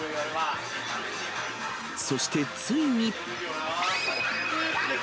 そして、ついに。